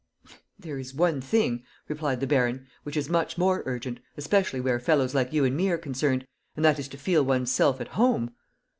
"There is one thing," replied the baron, "which is much more urgent, especially where fellows like you and me are concerned, and that is to feel one's self at home.